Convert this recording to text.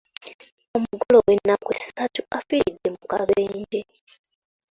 Omugole ow'ennaku essatu afiiridde mu kabenje.